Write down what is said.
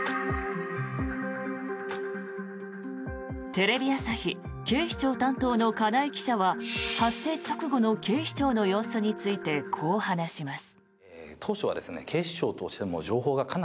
テレビ朝日警視庁担当の金井記者は発生直後の警視庁の様子についてこう話します。